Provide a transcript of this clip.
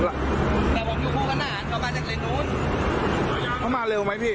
คุณหลับคุณหลับของภาพเนี่ย